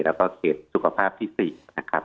แล้วก็เขตสุขภาพที่๔นะครับ